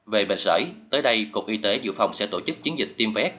về bệnh sởi tới đây cục y tế dự phòng sẽ tổ chức chiến dịch tiêm vét